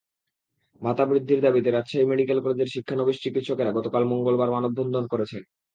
ভাতা বৃদ্ধির দাবিতে রাজশাহী মেডিকেল কলেজের শিক্ষানবিশ চিকিৎসকেরা গতকাল মঙ্গলবার মানববন্ধন করেছেন।